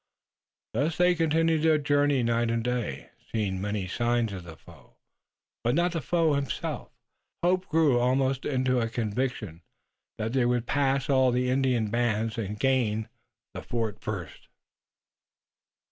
Thus they continued their journey night and day, seeing many signs of the foe, but not the foe himself, and the hope grew almost into conviction that they would pass all the Indian bands and gain the fort first.